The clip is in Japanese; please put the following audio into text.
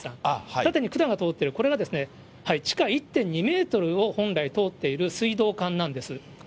縦に管が通ってる、これが地下１．２メートルを本来通っている水道管なんです。